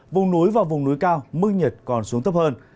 vùng núi và vùng núi cao mức nhiệt còn xuống thấp hơn